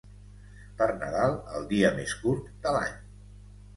Per Nadal, el dia més curt de l'any.